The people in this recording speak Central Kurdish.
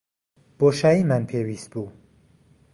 بۆشاییمان پێویست بوو.